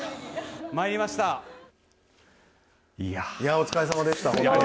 お疲れさまでした、本当に。